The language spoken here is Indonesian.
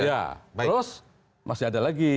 ya terus masih ada lagi